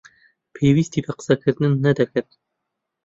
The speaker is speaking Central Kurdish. پێویستی بە قسەکردن نەدەکرد.